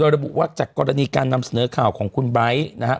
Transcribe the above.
โดยระบุว่าจากกรณีการนำเสนอกับของคุณไบร์ส